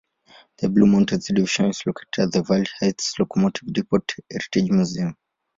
The Blue Mountains division is located at the Valley Heights Locomotive Depot Heritage Museum.